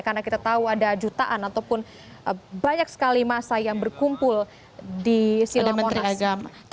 karena kita tahu ada jutaan ataupun banyak sekali masa yang berkumpul di silam monas